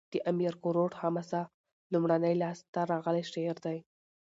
د امیر کروړ حماسه؛ لومړنی لاس ته راغلی شعر دﺉ.